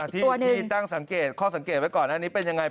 ที่ตั้งสังเกตข้อสังเกตไว้ก่อนอันนี้เป็นยังไง